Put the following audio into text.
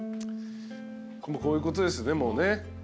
こういうことですねもうね。